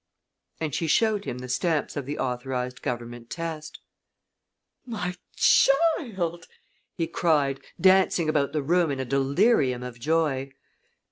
And she showed him the stamps of the authorized government test. "My child!" he cried, dancing about the room in a delirium of joy.